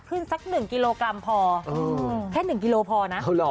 ขึ้นสักหนึ่งกิโลกรัมพอเออแค่หนึ่งกิโลพอนะโอ้หรอ